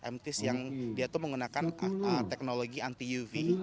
mts yang dia itu menggunakan teknologi anti uv